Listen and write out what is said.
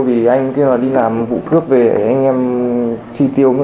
vì anh ấy kêu là đi làm vụ cướp về anh em thi tiêu